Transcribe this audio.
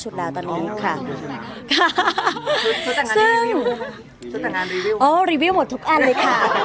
ชุดต่างงานรีวิวชุดต่างงานรีวิวซึ่งโอ้รีวิวหมดทุกอันเลยค่ะ